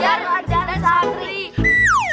jangan jangan sampai saling